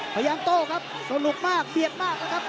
พยายามโตครับสนุกมากเบียดมากนะครับ